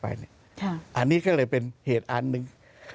อันนี้ก็เลยเป็นเหตุอันหนึ่ง